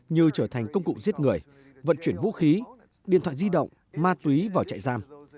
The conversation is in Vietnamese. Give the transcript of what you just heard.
như trở thành công cụ giết người vận chuyển vũ khí điện thoại di động ma túy vào trại giam